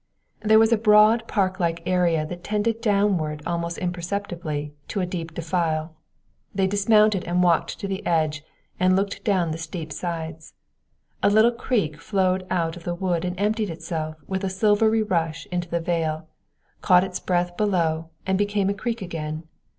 There was a broad park like area that tended downward almost imperceptibly to a deep defile. They dismounted and walked to the edge and looked down the steep sides. A little creek flowed out of the wood and emptied itself with a silvery rush into the vale, caught its breath below, and became a creek again.